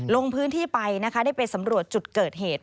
ลงพื้นที่ไปนะคะได้ไปสำรวจจุดเกิดเหตุ